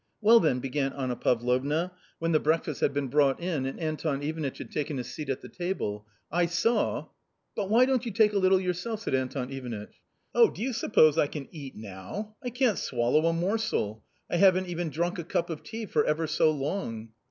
" Well, then," began Anna Pavlovna, when the breakfast 240 A COMMON STORY had been brought in and Anton Ivanitch had taken his seat at the table, " I saw "" But why don't you take a little yourself? " said Anton Ivanitch. " Oh, do you suppose I can eat now ? I can't swallow a morsel ; I haven't even drunk a cup of tea for ever so long.